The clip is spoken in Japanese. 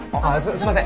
すいません。